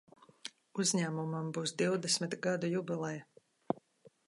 Uzņēmumam būs divdesmit gadu jubileja.